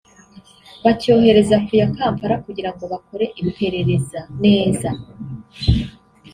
bacyohereza ku ya Kampala kugira ngo bakore iperereza neza